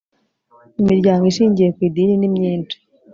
imiryango ishingiye ku idini nimyinshi